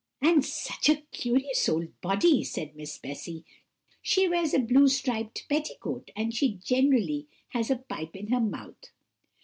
"And such a curious old body," said Miss Bessy; "she wears a blue striped petticoat, and she generally has a pipe in her mouth."